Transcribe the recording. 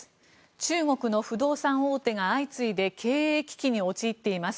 中国の不動産大手が相次いで経営危機に陥っています。